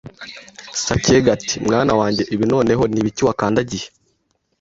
Sacyega ati mwana wanjye ibi noneho ni ibiki wakandagiye